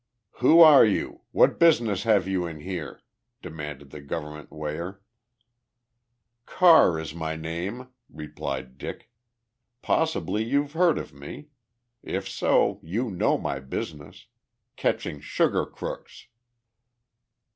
"Who are you? What business have you in here?" demanded the government weigher. "Carr is my name," replied Dick. "Possibly you've heard of me. If so, you know my business. Catching sugar crooks!"